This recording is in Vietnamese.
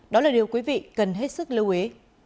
đó là điều quý vị cần hết sức lưu ý